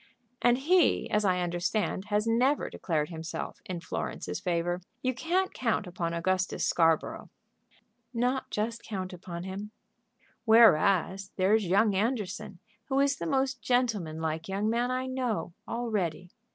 "And he, as I understand, has never declared himself in Florence's favor. You can't count upon Augustus Scarborough." "Not just count upon him." "Whereas there's young Anderson, who is the most gentleman like young man I know, all ready.